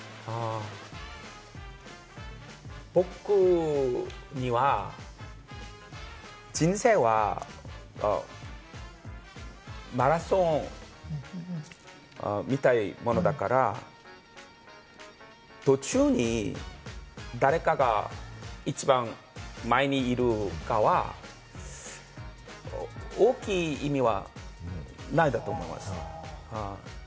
僕には人生はマラソンみたいなものだから、途中に誰かが一番前にいるかは大きい意味はないんだと思います。